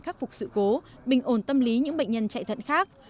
khắc phục sự cố bình ổn tâm lý những bệnh nhân chạy thận khác